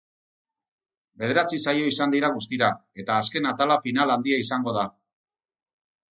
Bederatzi saio izan dira guztira, eta azken atala final handia izango da.